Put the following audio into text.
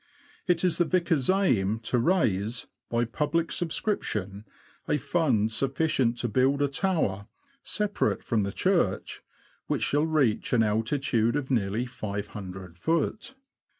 It is the vicar's aim to raise, by public subscription, a fund sufficient to build a tower (separate from the church) which shall reach an altitude of nearly 500ft.